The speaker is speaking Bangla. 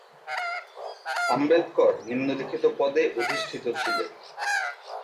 আম্বেদকর নিম্নলিখিত পদে অধিষ্ঠিত ছিলেন,